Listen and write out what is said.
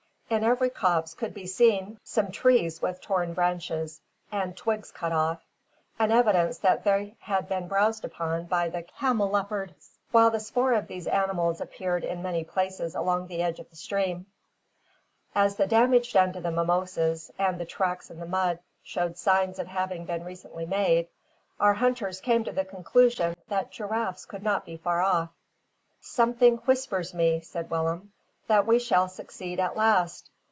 In every copse could be seen some trees with torn branches, and twigs cut off, an evidence that they had been browsed upon by the camelopards; while the spoor of these animals appeared in many places along the edge of the stream. As the damage done to the mimosas, and the tracks in the mud, showed signs of having been recently made, our hunters came to the conclusion that giraffes could not be far off. "Something whispers me," said Willem, "that we shall succeed at last.